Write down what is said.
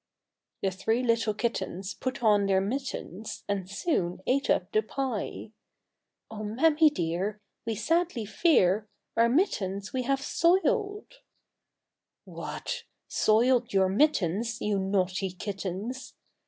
The three little kittens Put on their mittens, And soon ate up the pie. " Oh ! mammy dear, We sadly fear Our mittens we have soiled." 68 THE THREE L1T1 LE KITTENS. What! soiled your mittens, you naughty kittens!'